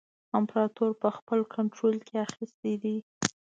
امپراطور په خپل کنټرول کې اخیستی دی.